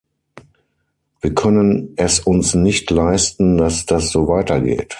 Wir können es uns nicht leisten, dass das so weitergeht.